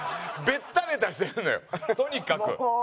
ベッタベタしてるのよとにかく。